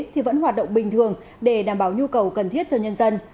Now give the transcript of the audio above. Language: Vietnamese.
thì vẫn hoạt động bình thường để đảm bảo nhu cầu cần thiết cho nhân dân